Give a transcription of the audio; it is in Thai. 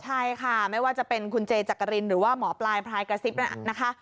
ใช่ค่ะไม่ว่าจะเป็นคุณเจจักรินหรือว่าหมอปลายพลายกระซิบนั้นนะคะ